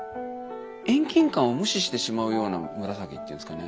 遠近感を無視してしまうような紫っていうんですかね。